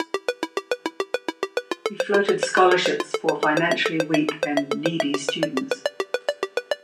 He floated scholarships for financially weak and needy students.